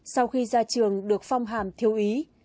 sau khi ra trường được phong hàm thiếu ý